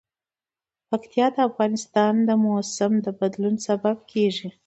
پکتیا د افغانستان د موسم د بدلون سبب کېږي.